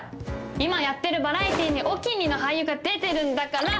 今やってるバラエティにお気にの俳優が出てるんだから！